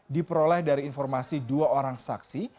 diperoleh dari informasi dua orang saksi